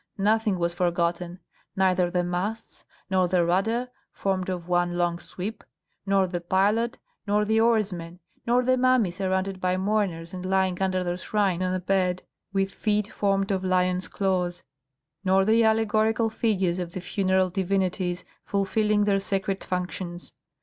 Nothing was forgotten, neither the masts, nor the rudder formed of one long sweep, nor the pilot, nor the oarsmen, nor the mummy surrounded by mourners and lying under the shrine on a bed with feet formed of lion's claws, nor the allegorical figures of the funeral divinities fulfilling their sacred functions.